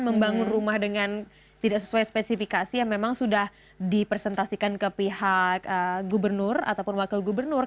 membangun rumah dengan tidak sesuai spesifikasi yang memang sudah dipresentasikan ke pihak gubernur ataupun wakil gubernur